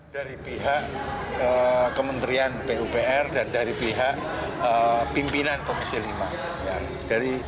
dari pihak kementerian pupr dan dari pihak pimpinan komisi lima